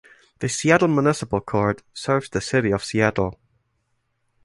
The Seattle Municipal Court serves the City of Seattle.